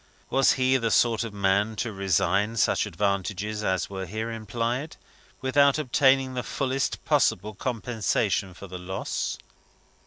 Was he the sort of man to resign such advantages as were here implied, without obtaining the fullest possible compensation for the loss?